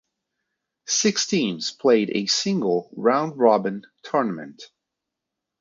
Six teams played a single round-robin tournament.